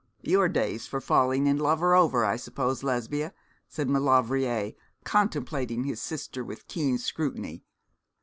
'Your days for falling in love are over, I suppose, Lesbia?' said Maulevrier, contemplating his sister with keen scrutiny.